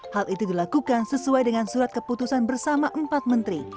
hal itu dilakukan sesuai dengan surat keputusan bersama empat menteri